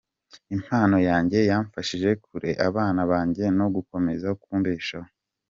Impano yanjye yamfashije kurera abana banjye no gukomeza kumbeshaho.